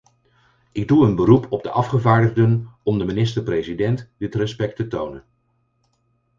Ik doe een beroep op de afgevaardigden om de minister-president dit respect te tonen.